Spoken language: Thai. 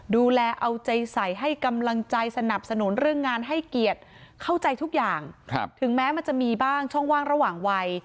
ดูแลเอาใจใส่ให้กำลังใจสนับสนุนเรื่องงานให้เกียรติเข้าใจทุกอย่างถึงแม้มันจะมีบ้างช่องว่างระหว่างวัย